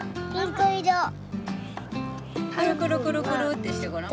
くるくるくるくるってしてごらん。